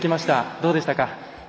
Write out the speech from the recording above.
どうでしたか？